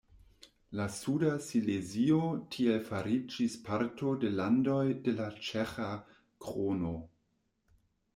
La suda Silezio tiel fariĝis parto de landoj de la ĉeĥa krono.